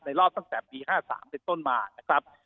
ในรอบตั้งแต่ปี๑๙๕๓เนี่ยต้นมานะครับ